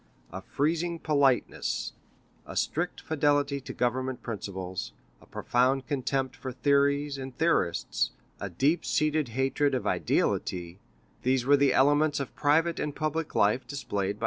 A freezing politeness, a strict fidelity to government principles, a profound contempt for theories and theorists, a deep seated hatred of ideality,—these were the elements of private and public life displayed by M.